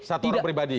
satu orang pribadi